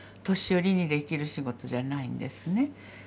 年寄りにできる仕事じゃないんですね。